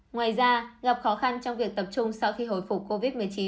ngoài ra gặp khó khăn trong việc tập trung sau khi hồi phục covid một mươi chín